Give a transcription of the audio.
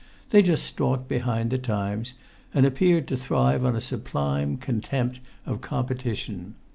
They just stalked behind the times, and appeared to thrive on a sublime contempt of competition.